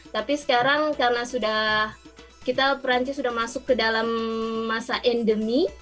tapi sekarang karena sudah kita perancis sudah masuk ke dalam masa endemi